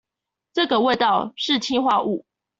這個味道，是氰化物